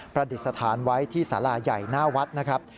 ดิษฐานไว้ที่สาราใหญ่หน้าวัดนะครับ